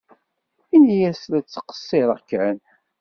Ini-as la ttqeṣṣireɣ kan.